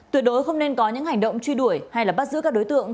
tuyệt đối không nên có những hành động truy đuổi hay bắt giữ các đối tượng